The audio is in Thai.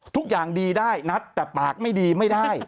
ทุกอย่างดีได้นัดแต่ปากไม่ดีไม่ได้